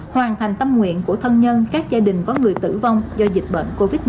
hoàn thành tâm nguyện của thân nhân các gia đình có người tử vong do dịch bệnh covid một mươi chín